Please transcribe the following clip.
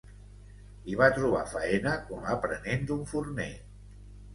Hi va trobar faena com a aprenent d'un forner.